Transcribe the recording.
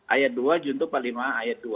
ayat dua juntuh pak lima ayat dua